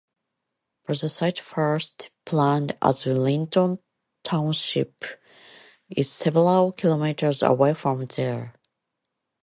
But the site first planned as Linton township is several kilometres away from there.